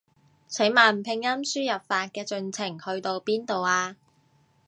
請問拼音輸入法嘅進程去到邊度啊？